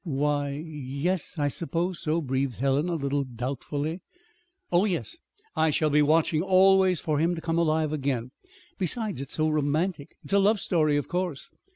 "Why, y yes, I suppose so," breathed Helen, a little doubtfully. "Oh, yes, I shall be watching always for him to come alive again. Besides, it's so romantic! It's a love story, of course."